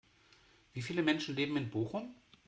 Wie viele Menschen leben in Bochum?